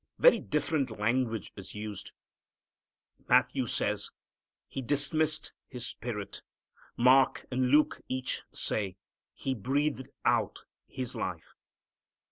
Very different language is used. Matthew says, "He dismissed His spirit." Mark and Luke each say, "He breathed out" His life.